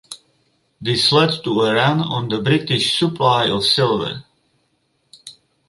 This led to a run on the British supply of silver.